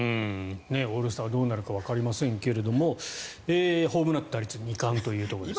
オールスターどうなるかわかりませんけどもホームラン、打点２冠ということですね。